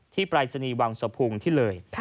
ที่ปรายศนีวังสะพุงที่เลย